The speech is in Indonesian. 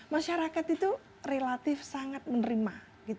masyarakat itu relatif sangat menerima